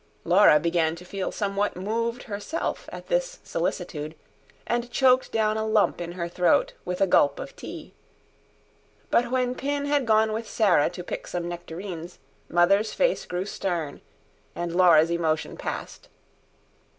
Laura began to feel somewhat moved herself at this solicitude, and choked down a lump in her throat with a gulp of tea. But when Pin had gone with Sarah to pick some nectarines, Mother's face grew stern, and Laura's emotion passed.